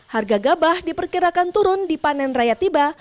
harga gabah diperkirakan turun di panen raya tiba